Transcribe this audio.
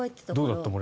どうだった？